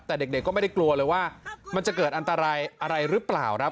แต่เด็กก็ไม่ได้กลัวเลยว่ามันจะเกิดอันตรายอะไรหรือเปล่าครับ